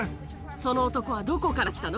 その男はどこから来たの？